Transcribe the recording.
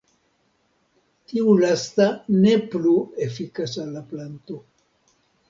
Tiu lasta ne plu efikas al la planto.